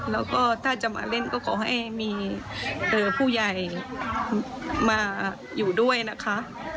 แล้วก็ถ้าจะมาเล่นก็ขอให้มีผู้ใหญ่มาอยู่ด้วยนะคะ